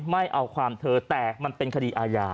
ไม่เอาความเธอแต่มันเป็นคดีอาญา